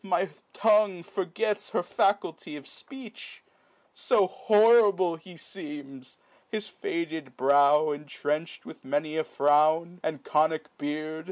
My tongue forgets her faculty of fpeech j So horrible he feems ! his faded brow Entrench'd with many a frown, and conic beard.